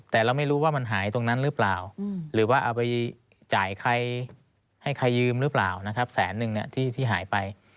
แต่เราไม่รู้ว่ามันหายตรงนั้นหรือเปล่าหรือว่าเอาไปจ่ายใครให้ใครยืมหรือเปล่านะครับแสนนึงที่หายไป